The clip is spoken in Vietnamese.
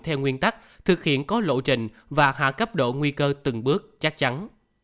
theo nguyên tắc thực hiện có lộ trình và hạ cấp độ nguy cơ từng bước chắc chắn